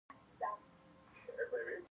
د پستې ګل څنګه وي؟